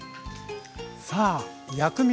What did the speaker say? さあ薬味